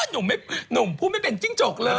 หนุ่มพูดไม่เป็นจิ้งจกเลย